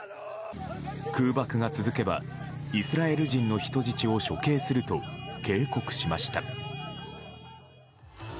空爆が続けばイスラエル人の人質を処刑すると警告しました。